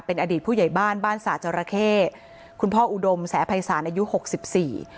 เป็นอดีตผู้ใหญ่บ้านบ้านสาจรเข้คุณพ่ออุดมแสภัยศาลอายุหกสิบสี่